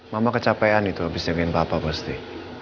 mama kecapean itu abis nyariin papa pasti